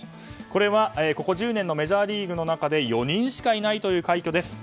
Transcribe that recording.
これは、ここ１０年のメジャーリーグの中で４人しかいないという快挙です。